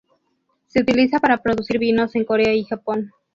Se utiliza para producir vinos en Corea y Japón.